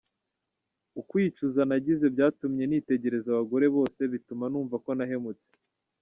Ukwicuza nagize byatumye nitegereza abagore bose, bituma numva ko nahemutse.